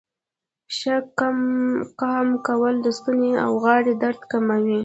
ښه قام کول د ستونې او غاړې درد کموي.